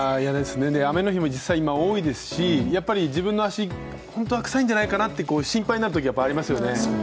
雨の日も実際、今、多いですし、自分の足、本当は臭いんじゃないかなって心配になるときありますよね。